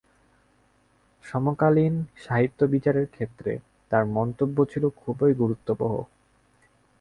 সমকালীন সাহিত্যবিচারের ক্ষেত্রে তাঁর মন্তব্য ছিল খুবই গুরুত্ববহ।